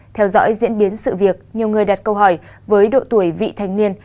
theo dõi diễn biến sự việc nhiều người đặt câu hỏi với độ tuổi vị thanh niên